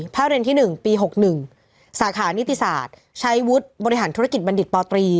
เรียนที่๑ปี๖๑สาขานิติศาสตร์ใช้วุฒิบริหารธุรกิจบัณฑิตปตรี